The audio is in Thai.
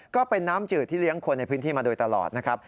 ก็เป็นน้ำจืดที่เลี้ยงคนในพื้นที่มาโดยตลอดนะครับ